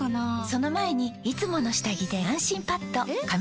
その前に「いつもの下着で安心パッド」え？！